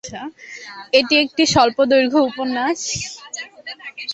এটি একটি স্বল্প দৈর্ঘ্য উপন্যাস।